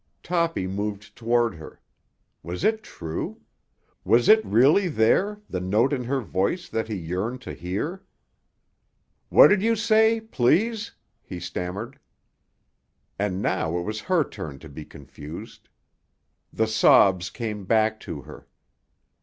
Toppy moved toward her. Was it true? Was it really there the note in her voice that he yearned to hear? "What did you say—please?" he stammered. And now it was her turn to be confused. The sobs came back to her.